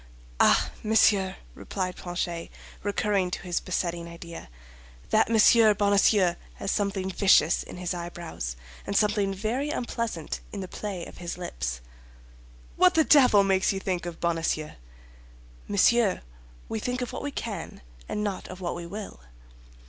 "Ah, monsieur!" replied Planchet, recurring to his besetting idea, "that Monsieur Bonacieux has something vicious in his eyebrows, and something very unpleasant in the play of his lips." "What the devil makes you think of Bonacieux?" "Monsieur, we think of what we can, and not of what we will."